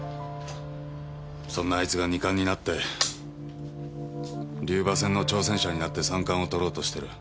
そんなあいつが二冠になって龍馬戦の挑戦者になって三冠をとろうとしてる。